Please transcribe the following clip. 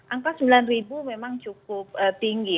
angka sembilan memang cukup tinggi